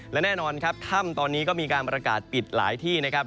และแน่นอนครับถ้ำตอนนี้ก็มีการประกาศปิดหลายที่นะครับ